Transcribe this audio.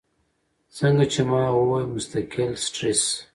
څنګه چې ما اووې مستقل سټرېس ،